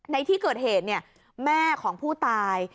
ในที่เกิดเหตุแม่ของผู้ตาย